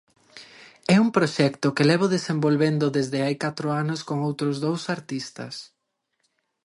É un proxecto que levo desenvolvendo desde hai catro anos con outros dous artistas.